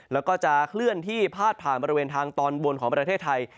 แล้วก็จะเคลื่อนที่พาดผ่านบริเวณทางตอนบนของประเทศไทย